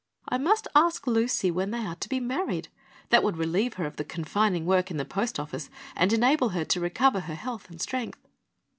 I must ask Lucy when they are to be married. That would relieve her of the confining work in the post office and enable her to recover her health and strength."